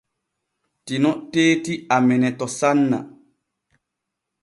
Tino teeti amene to sanna.